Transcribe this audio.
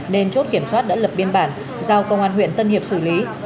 nên chốt kiểm soát đã lập biên bản giao công an huyện tân hiệp xử lý